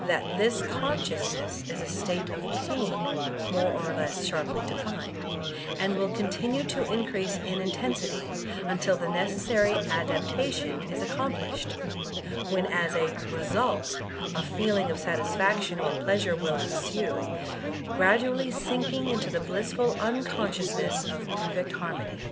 That this consciousness is a state of pain, more or lets sharply defined ; and will continue to increase in intensity until the necessary adaptation is accomplished, when M reenU a feeling of satisfaction or pleasure will enrae, gimdually sinking into the blissful unconsdomiess of perfect bamiociy.